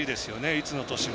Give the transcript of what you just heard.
いつの年も。